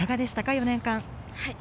４年間。